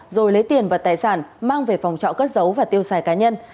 rồi lấy tiền và tài sản mang về phòng trọ cất giấu và tiêu xài cá nhân